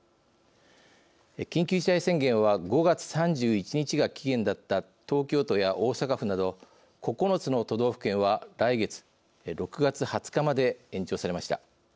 緊急事態宣言は５月３１日が期限だった東京都や大阪府など９つの都道府県は来月６月２０日まで延長されました。